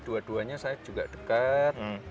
dua duanya saya juga dekat